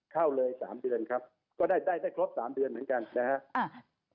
เข้าเลย๓เดือนครับก็ได้ได้ครบสามเดือนเหมือนกันนะครับ